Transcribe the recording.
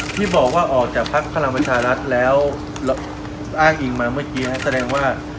ที่บอกว่าออกจากภักดิ์พลังประชารัฐแล้วอ้างอิงมาเมื่อกี้แสดงว่า